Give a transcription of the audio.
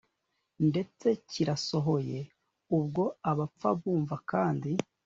ndetse kirasohoye ubwo abapfa bumva kandi